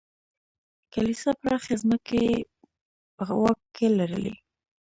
کلیسا پراخې ځمکې یې په واک کې لرلې.